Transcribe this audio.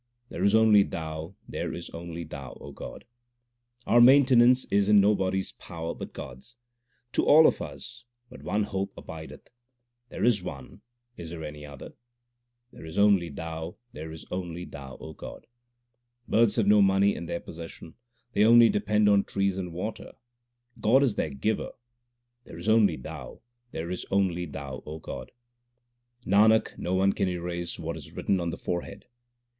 There is only Thou, there is only Thou, God ! Our maintenance is in nobody s power but God s : To all of us but one hope abideth There is one : is there any other ? There is only Thou, there is only Thou, God ! Birds have no money in their possession : They only depend on trees and water. God is their Giver. There is only Thou, there is only Thou, O God ! Nanak, no one can erase What is written on the forehead.